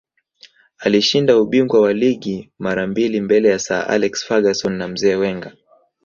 alishinda ubingwa wa ligi mara mbili mbele ya sir alex ferguson na mzee wenger